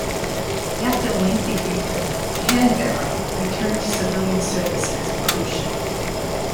After a lengthy refit, "Canberra" returned to civilian service as a cruise ship.